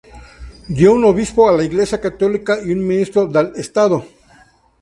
Dio un obispo a la Iglesia católica y un ministro dal Estado.